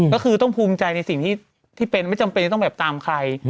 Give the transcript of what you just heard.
ก็คือต้องภูมิใจในสิ่งที่เป็นไม่จำเป็นจะต้องแบบตามใคร